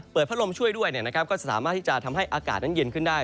พัดลมช่วยด้วยก็สามารถที่จะทำให้อากาศนั้นเย็นขึ้นได้